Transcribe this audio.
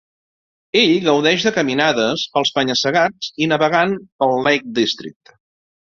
Ell gaudeix de caminades pels penya-segats i navegant pel Lake District.